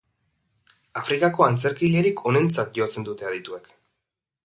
Afrikako antzerkigilerik onentzat jotzen dute adituek.